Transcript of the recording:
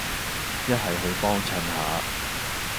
一係去幫襯下